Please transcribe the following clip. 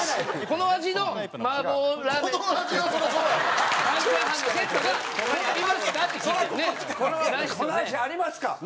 この味ありますか？